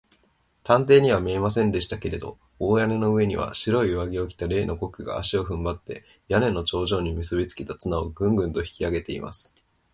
探偵には見えませんでしたけれど、大屋根の上には、白い上着を着た例のコックが、足をふんばって、屋根の頂上にむすびつけた綱を、グングンと引きあげています。